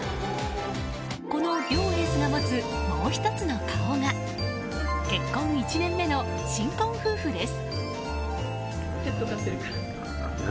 この両エースが持つもう１つの顔が結婚１年目の新婚夫婦です。